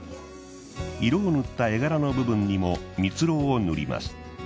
色を塗った絵柄の部分にもミツロウを塗ります。